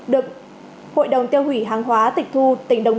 được hội đồng tiêu hủy hàng hóa tăng vật